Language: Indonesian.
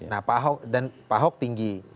nah pak ahok tinggi